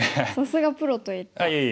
さすがプロといった印象。